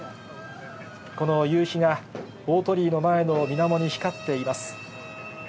この夕日が、大鳥居の前のみなもに光っています。